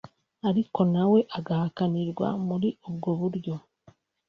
ariko nawe agahakanirwa muri ubwo buryo